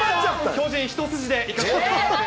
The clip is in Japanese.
巨人一筋でいかせていただきます。